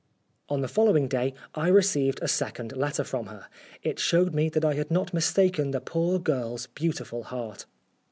On the following day I received a second letter from her. It showed me that I had not mistaken the poor girl's beautiful heart.